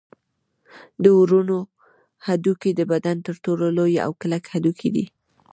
د ورون هډوکی د بدن تر ټولو لوی او کلک هډوکی دی